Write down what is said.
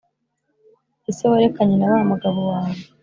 ese warekanye na wa mugabo wawe